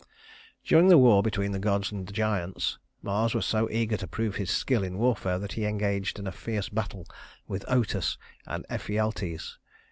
During the war between the gods and giants, Mars was so eager to prove his skill in warfare that he engaged in a fierce battle with Otus and Ephialtes.